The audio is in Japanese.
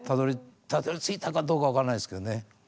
たどりついたかどうか分からないですけどね。